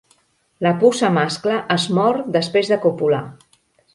La puça mascle es mor després de copular.